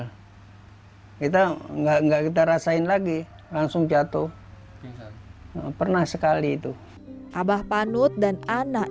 kita enggak enggak kita rasain lagi langsung jatuh pernah sekali itu abah panut dan anak